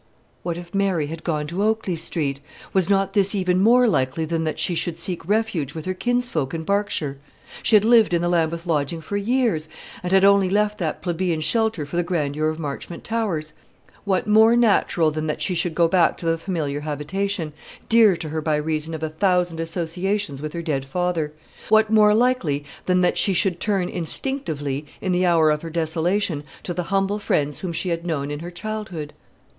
What if Mary had gone to Oakley Street? Was not this even more likely than that she should seek refuge with her kinsfolk in Berkshire? She had lived in the Lambeth lodging for years, and had only left that plebeian shelter for the grandeur of Marchmont Towers. What more natural than that she should go back to the familiar habitation, dear to her by reason of a thousand associations with her dead father? What more likely than that she should turn instinctively, in the hour of her desolation, to the humble friends whom she had known in her childhood?